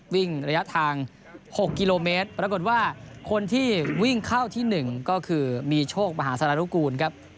วิ่งระยะทาง๖กิโลเมตรปรากฏว่าคนที่วิ่งเข้าที่๑ก็คือมีโชคมหาสารนุกูลครับ